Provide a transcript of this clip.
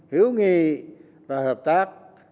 hữu nghị và hợp tác